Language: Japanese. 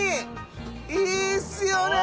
いいっすよね。